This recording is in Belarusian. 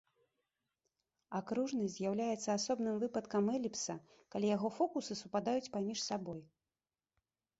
Акружнасць з'яўляецца асобным выпадкам эліпса, калі яго фокусы супадаюць паміж сабой.